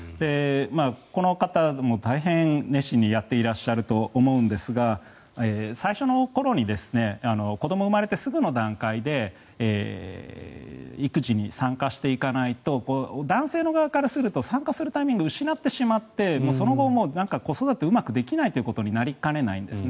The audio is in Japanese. この方も大変、熱心にやっていらっしゃると思うんですが最初の頃に子どもが産まれてすぐの段階で育児に参加していかないと男性の側からすると参加するタイミングを失ってしまってそのまま子育てがうまくできないということになりかねないんですね。